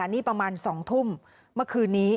นี่ประมาณ๒ทุ่มเมื่อคืนนี้